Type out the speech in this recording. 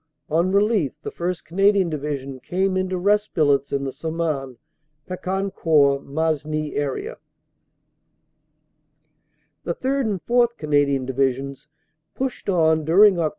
On relief, the 1st. Canadian Division came into rest billets in the Somain Pecquencourt Masny area. "The 3rd. and 4th. Canadian Divisions pushed on during Oct.